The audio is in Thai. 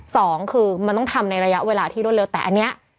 สองคือมันต้องทำในระยะเวลาที่รวดเร็วแต่อันนี้